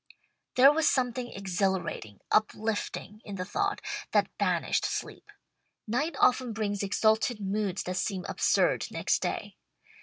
There was something exhilarating, uplifting in the thought, that banished sleep. Night often brings exalted moods that seem absurd next day.